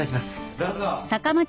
どうぞ。